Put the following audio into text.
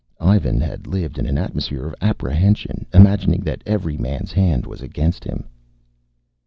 Ivan had lived in an atmosphere of apprehension, imagining that every man's hand was against him.